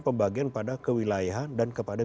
pembagian pada kewilayahan dan kepada